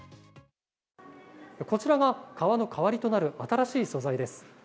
こちらの革の代わりとなる新しい素材です。